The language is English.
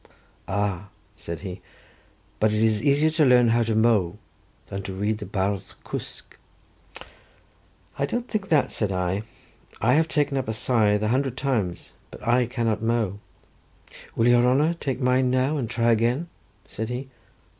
"Ah!" said he, "but it is easier to learn to mow than to read the Bardd Cwsg." "I don't know that," said I; "I have taken up a scythe a hundred times, but I cannot mow." "Will your honour take mine now, and try again?" said he.